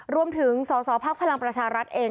รวมถึงสอสอภักดิ์พลังประชารัฐเอง